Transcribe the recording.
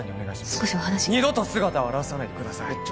少しお話を二度と姿を現さないでください